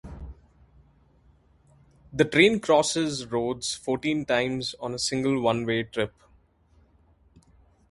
The train crosses roads fourteen times on a single one-way trip.